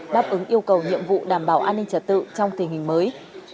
đáp ứng yêu cầu nhiệm vụ đảm bảo an ninh trật tự trong tình hình mới